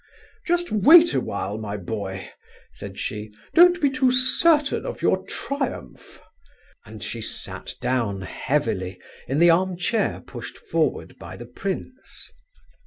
"Just wait a while, my boy!" said she; "don't be too certain of your triumph." And she sat down heavily, in the arm chair pushed forward by the prince.